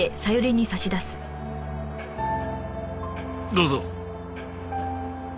どうぞ。